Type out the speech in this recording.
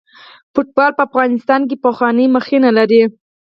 فوټبال په افغانستان کې پخوانۍ مخینه لري.